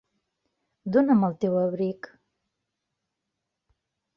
Dona'm el teu abric.